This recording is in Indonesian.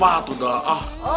alhamdulillah masya allah